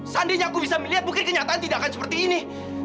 seandainya aku bisa melihat mungkin kenyataan tidak akan seperti ini